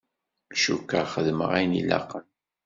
Cukkeɣ xedmeɣ ayen ilaqen.